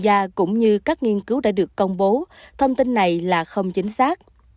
các chuyên gia cũng như các nghiên cứu đã được công bố thông tin này là không chính xác